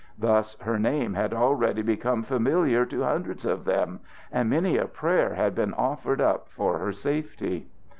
Thus her name had already become familiar to hundreds of them, and many a prayer had been offered up for her safety.